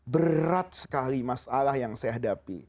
berat sekali masalah yang saya hadapi